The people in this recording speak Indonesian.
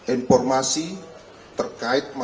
informasi terkait masalah